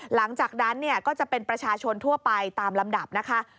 หลังจากนั้นเนี่ยก็จะเป็นประชาชนทั่วไปตามลำดับนะคะ